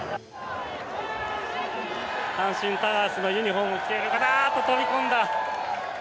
阪神タイガースのユニホームを着ている方あっと、飛び込んだ！